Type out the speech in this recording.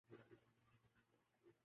وہ صرف انتہا پسندی پیدا کرتی ہے۔